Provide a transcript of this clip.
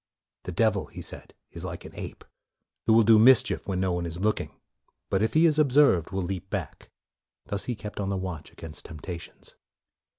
The devil, he said, is like an ape, who will do mischief when no one is look ing, but if he is observed will leap back. MORE 41 Thus he kept on the watch against temp tations.